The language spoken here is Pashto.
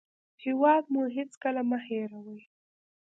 هېواد مو هېڅکله مه هېروئ